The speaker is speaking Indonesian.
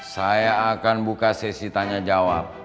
saya akan buka sesi tanya jawab